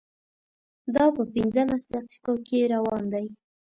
دا په پنځلس دقیقو کې روان دی.